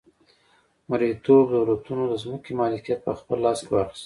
مرئیتوب دولتونو د ځمکې مالکیت په خپل لاس کې واخیست.